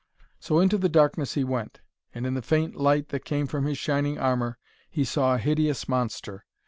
So into the darkness he went, and in the faint light that came from his shining armour he saw a hideous monster.